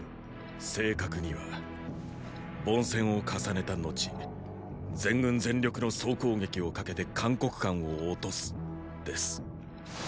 正確には“凡戦を重ねた後全軍全力の総攻撃をかけて函谷関を落とす”です。